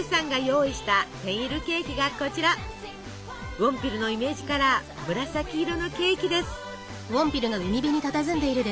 ウォンピルのイメージカラー紫色のケーキです。